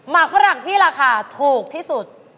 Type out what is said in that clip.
ฝรั่งที่ราคาถูกที่สุด